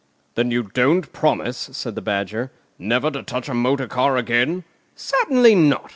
"Then you don't promise," said the Badger, "never to touch a motor car again?" "Certainly not!"